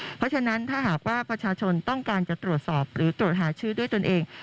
เพราะฉะนั้นถ้าหากว่าประชาชนต้องการจะตรวจสอบหรือตรวจหาเชื้อด้วยตนเอง